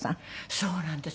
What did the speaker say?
そうなんです。